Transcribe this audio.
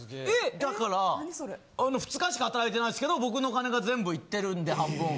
だから２日しか働いてないですけど僕の金が全部いってるんで半分は。